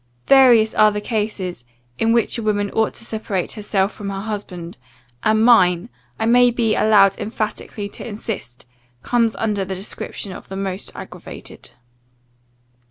Various are the cases, in which a woman ought to separate herself from her husband; and mine, I may be allowed emphatically to insist, comes under the description of the most aggravated.